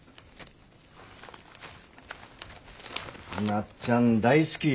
「まっちゃん大好き」。